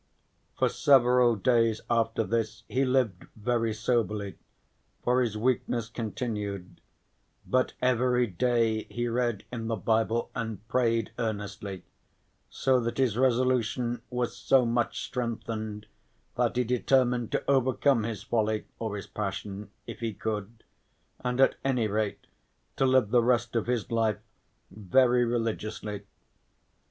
For several days after this he lived very soberly, for his weakness continued, but every day he read in the bible, and prayed earnestly, so that his resolution was so much strengthened that he determined to overcome his folly, or his passion, if he could, and at any rate to live the rest of his life very religiously.